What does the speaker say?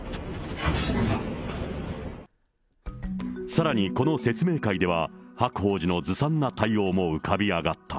さらにこの説明会では、白鳳寺のずさんな対応も浮かび上がった。